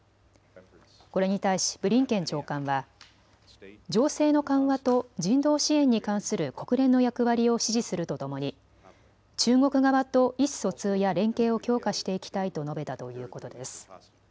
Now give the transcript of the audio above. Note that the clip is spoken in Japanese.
これに対しブリンケン長官は、情勢の緩和と人道支援に関する国連の役割を支持するとともに中国側と意思疎通や連携を強化していきたいと述べたということです。